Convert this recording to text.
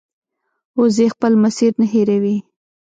وزې خپل مسیر نه هېروي